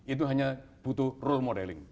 itu hanya butuh role modeling